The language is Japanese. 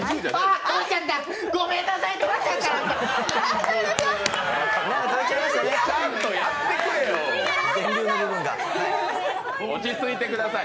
ごめんなさい！